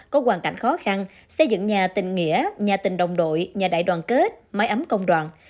có hoàn cảnh khó khăn xây dựng nhà tình nghĩa nhà tình đồng đội nhà đại đoàn kết máy ấm công đoàn